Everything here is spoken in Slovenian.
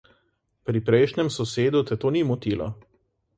Pri prejšnjem sosedu te to ni motilo.